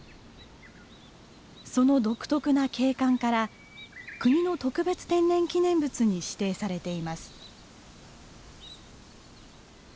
その独特な景観から国の特別天然記念物に指定されています。